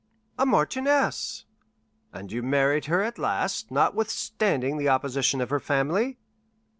"A marchioness!" "And you married her at last, notwithstanding the opposition of her family?"